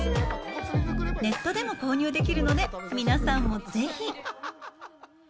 ネットでも購入できるので、皆さんも、ぜひ！